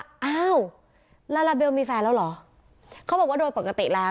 อ้าวลาลาเบลมีแฟนแล้วเหรอเขาบอกว่าโดยปกติแล้ว